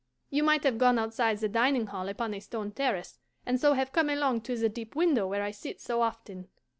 You might have gone outside the dining hall upon a stone terrace, and so have come along to the deep window where I sit so often.